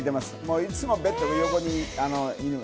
いつもベッドで横に犬が。